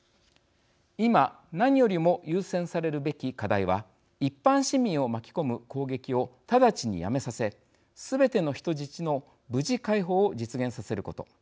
今、何よりも優先されるべき課題は一般市民を巻き込む攻撃を直ちにやめさせすべての人質の無事解放を実現させること。